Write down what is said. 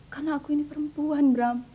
karena aku ini perempuan bram